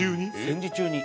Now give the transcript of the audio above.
戦時中に。